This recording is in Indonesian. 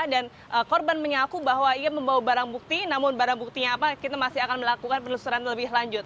dan korban menyaku bahwa ia membawa barang bukti namun barang buktinya apa kita masih akan melakukan penelusuran lebih lanjut